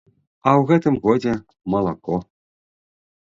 А ў гэтым годзе малако.